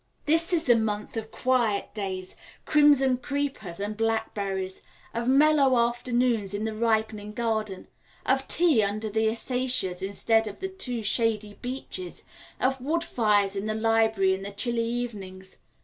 This is the month of quiet days, crimson creepers, and blackberries; of mellow afternoons in the ripening garden; of tea under the acacias instead of the too shady beeches; of wood fires in the library in the chilly evenings.